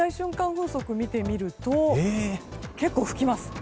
風速を見てみると結構、吹きます。